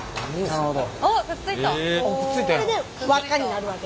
なるほど。